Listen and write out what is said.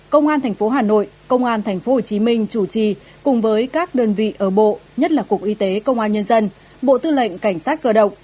năm công an tp hà nội công an tp hồ chí minh chủ trì cùng với các đơn vị ở bộ nhất là cục y tế công an nhân dân bộ tư lệnh cảnh sát cơ động